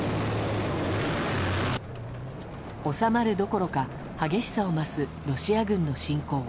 収まるどころか、激しさを増すロシア軍の侵攻。